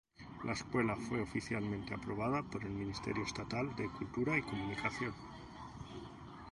La escuela fue oficialmente aprobada por el Ministerio Estatal de Cultura y Comunicación.